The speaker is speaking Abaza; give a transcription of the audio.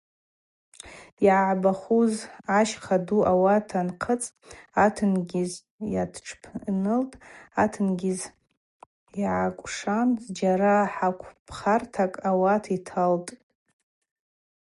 Йагӏбахуз ащхъа ду ауат анхъыцӏ атенгьыз йатшпнылтӏ, атенгьыз йгӏакӏвшан зджьара хакв пхартакӏ ауат йталтӏ.